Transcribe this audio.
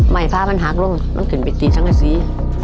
ไหม้พามันหักลงมันขึ้นไปทีทั้งทั้งสี่